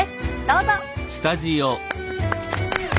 どうぞ。